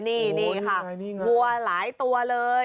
นี่ค่ะวัวหลายตัวเลย